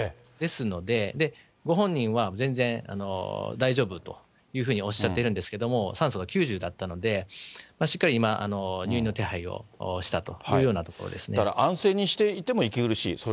ですので、ご本人は全然大丈夫というふうにおっしゃっているんですけれども、酸素が９０だったので、しっかり今、入院の手配をしたというようだから安静にしていても息苦しい。